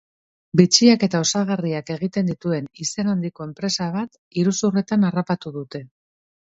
Bitxiak eta osagarriak egiten dituen izen handiko enpresa bat iruzurretan harrapatu dute.